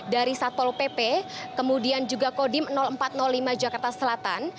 dari satpol pp kemudian juga kodim empat ratus lima jakarta selatan